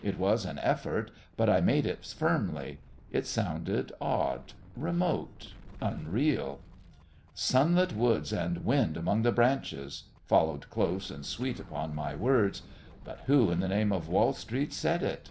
It was an effort; but I made it firmly. It sounded odd, remote, unreal. "Sunlit woods and a wind among the branches", followed close and sweet upon my words. But who, in the name of Wall Street, said it?